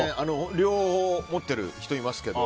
両方持ってる人いますけど。